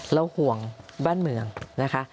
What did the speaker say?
ห่วงบ้านเมืองนะคะ